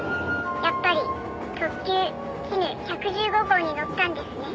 「やっぱり特急きぬ１１５号に乗ったんですね」